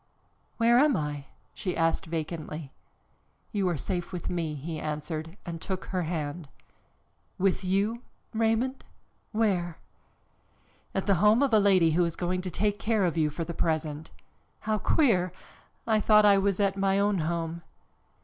"Where am I?" she asked vacantly. "You are safe, with me," he answered and took her hand. "With you, Raymond? Where?" "At the home of a lady who is going to take care of you for the present." "How queer! I thought I was at my own home."